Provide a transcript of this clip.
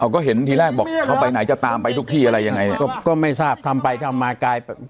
ก็เห็นทีแรกบอกเขาไปไหนจะตามไปทุกที่อะไรยังไงก็ก็ไม่ทราบทำไปทำมากลาย